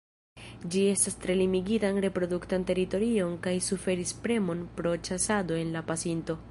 Ĝi havas tre limigitan reproduktan teritorion kaj suferis premon pro ĉasado en la pasinto.